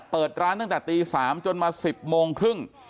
เปิดร้านตั้งแต่ตี๓จนมา๑๐โมงครึ่ง